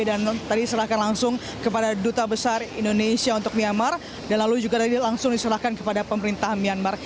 dan tadi diserahkan langsung kepada duta besar indonesia untuk myanmar dan lalu juga langsung diserahkan kepada pemerintah myanmar